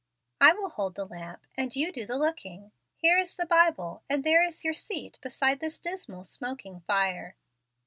I will hold the lamp, and you do the looking. Here is the Bible, and there is your seat beside this dismal, smoking fire.